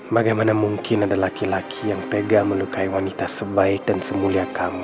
bagaimana mungkin ada laki laki yang tega melukai wanita sebaik dan semulia kamu